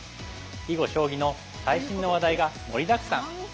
囲碁将棋の最新の話題が盛りだくさん。